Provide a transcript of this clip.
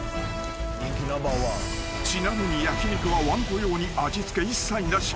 ［ちなみに焼き肉はわんこ用に味付け一切なし］